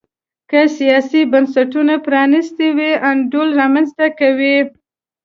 که سیاسي بنسټونه پرانیستي وي انډول رامنځته کوي.